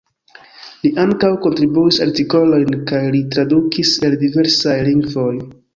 Li ankaŭ kontribuis artikolojn kaj li tradukis el diversaj lingvoj.